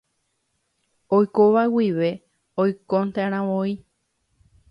Oikóva guive oikonte'arãvoi